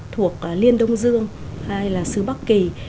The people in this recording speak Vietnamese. thuộc liên đông dương hay là xứ bắc kỳ